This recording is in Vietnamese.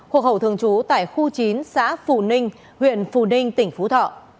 hộ khẩu thường trú tại khu chín xã phù ninh huyện phù ninh tỉnh phú thọ